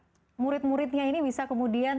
apakah murid muridnya ini bisa kemudian